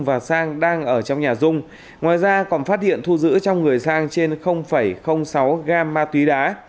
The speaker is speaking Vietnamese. và sang đang ở trong nhà dung ngoài ra còn phát hiện thu giữ trong người sang trên sáu gam ma túy đá